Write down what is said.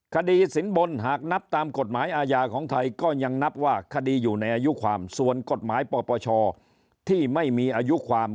คดีสินบนหากนับตามกฎหมายอาญาของไทยก็ยังนับว่าคดีอยู่ในอายุความส่วนกฎหมายปปชที่ไม่มีอายุความ